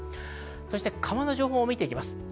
川の情報を見ていきます。